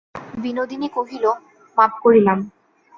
বিনোদিনী কহিল, মাপ করিলাম।